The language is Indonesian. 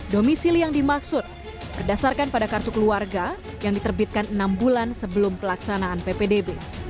domisili yang dimaksud berdasarkan pada kartu keluarga yang diterbitkan enam bulan sebelum pelaksanaan ppdb